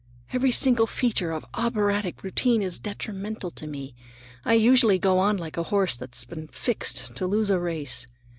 Every single feature of operatic routine is detrimental to me. I usually go on like a horse that's been fixed to lose a race.